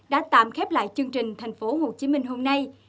đã tạm khép lại chương trình thành phố hồ chí minh hôm nay